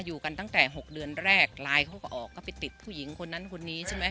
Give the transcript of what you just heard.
อยู่กันตั้งแต่๖เดือนแรกไลน์เขาก็ออกก็ไปติดผู้หญิงคนนั้นคนนี้ใช่ไหม